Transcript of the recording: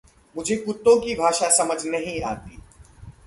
मुझे कुत्तों की भाषा समझ नहीं आती।